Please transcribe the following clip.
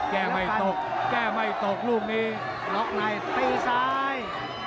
แก้ไม่ตกแก้ไม่ตกลูกนี้ล็อกในตีซ้าย